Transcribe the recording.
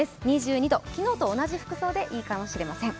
２２度、昨日と同じ服装でいいかもしれません。